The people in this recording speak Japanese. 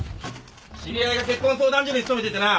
知り合いが結婚相談所に勤めててな。